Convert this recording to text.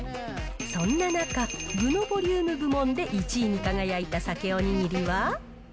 そんな中、具のボリューム部門で１位に輝いたサケお握りは。